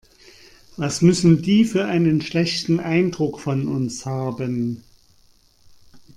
Was müssen die für einen schlechten Eindruck von uns haben.